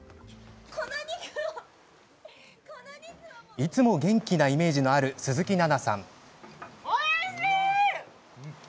いつも元気なイメージのある鈴木奈々さん。